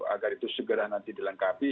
agar itu segera nanti dilengkapi